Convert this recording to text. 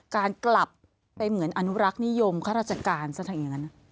การกลับไปเหมือนอณุรักษณ์นิยมข้าราชการซะ